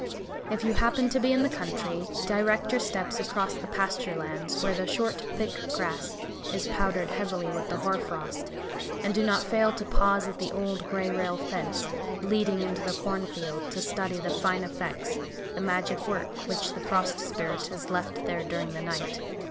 If you happen to be in the country, direct your steps across the pasture lands, where the short thick grass is powdered heavily with the hoar frost, and do not fail to pause at the old, gray rail fence, leading into the cornfield, to study the fine effects, the magic work which the Frost Spirit has left there during the night.